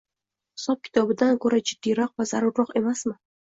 hisob-kitobidan ko‘ra jiddiyroq va zarurroq emasmi?